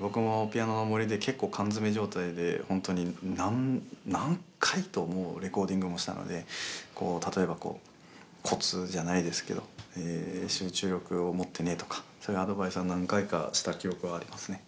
僕も「ピアノの森」でけっこう缶詰め状態でほんとに何何回とレコーディングもしたので例えばこうコツじゃないですけど「集中力を持ってね」とかそういうアドバイスは何回かした記憶はありますね。